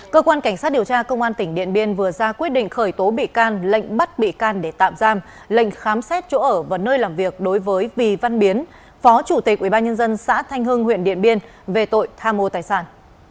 cơ quan cảnh sát điều tra công an tỉnh điện biên vừa ra quyết định khởi tố bị can lệnh bắt bị can để tạm giam lệnh khám xét chỗ ở và nơi làm việc đối với vì văn biến phó chủ tịch ubnd xã thanh hưng huyện điện biên về tội tha mô tài sản